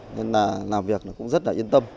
nên làm việc cũng rất yên tâm